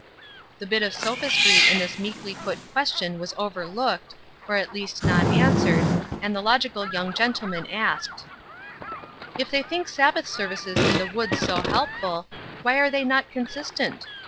The bit of sophistry in this meekly put question was overlooked, or at least not answered, and the logical young gentleman asked: "If they think Sabbath services in the woods so helpful, why are they not consistent?